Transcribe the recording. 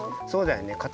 そうだよね。